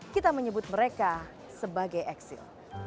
kita menyebut mereka sebagai eksil